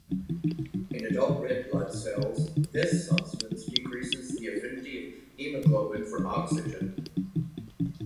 In adult red blood cells, this substance decreases the affinity of hemoglobin for oxygen.